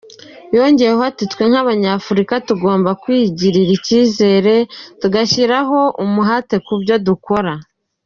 Yongeyeho ati :" Twe nk’Abanyafurika tugomba kwigirira icyizere, tugashyiraho umuhate mu byo dukora".